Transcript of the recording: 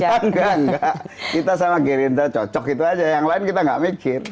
enggak enggak kita sama gerindra cocok itu aja yang lain kita nggak mikir